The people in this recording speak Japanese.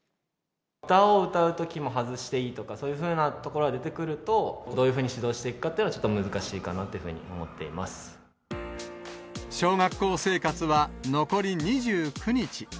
歌を歌うときも外していいとか、そういうふうなところが出てくると、どういうふうに指導していくかというのはちょっと難しいかなとい小学校生活は残り２９日。